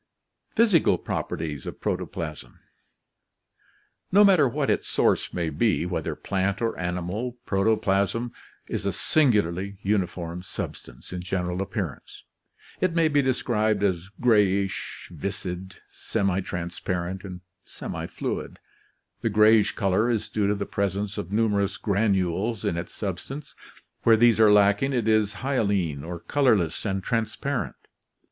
Physical Properties of Protoplasm. — No matter what its source may be, whether plant or animal, protoplasm is a singularly uniform substance in general appearance. It may be described as grayish, viscid, semi transparent, and semi fluid. The grayish color is due to the presence of numerous granules in its substance; where these are lacking it is hyaline or colorless and transparent.